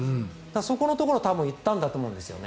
そこのところを多分、言ったんだと思いますね。